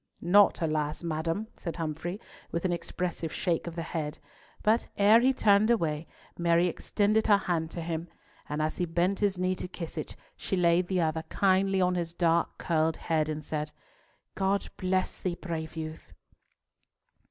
"Naught, alas, madam," said Humfrey with an expressive shake of the head, but ere he turned away Mary extended her hand to him, and as he bent his knee to kiss it she laid the other kindly on his dark curled head and said, "God bless thee, brave youth."